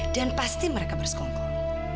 dan pasti mereka berskong kong